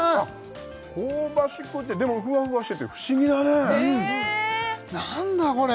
香ばしくてでもふわふわしてて不思議だね何だこれ？